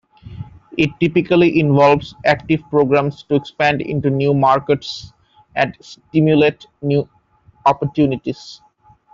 It typically involves active programs to expand into new markets and stimulate new opportunities.